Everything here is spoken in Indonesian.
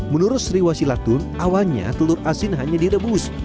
menurut sriwasilatun awalnya telur asin hanya direbus